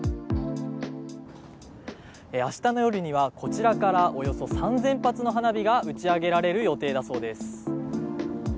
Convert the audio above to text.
明日の夜にはこちらからおよそ３０００発の花火が打ち上げられる予定だそうです。